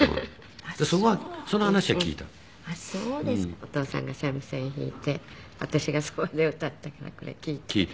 お父さんが三味線弾いて私がそこで歌ったからこれ聴いて。